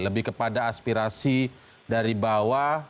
lebih kepada aspirasi dari bawah